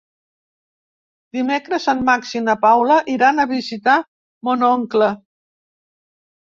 Dimecres en Max i na Paula iran a visitar mon oncle.